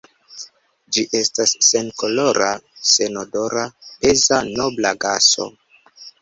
Ĝi estas senkolora, senodora, peza nobla gaso.